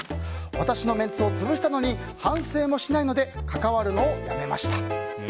私のメンツを潰したのに反省もしないので関わるのをやめました。